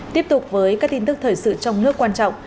tiếp tục với các tin tức thời sự trong nước quan trọng